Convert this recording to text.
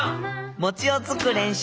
餅をつく練習。